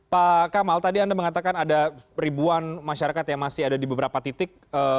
pak kamal tadi anda mengatakan ada ribuan masyarakat yang masih ada di beberapa titik